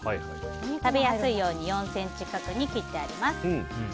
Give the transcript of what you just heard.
食べやすいように４ｃｍ角に切ってあります。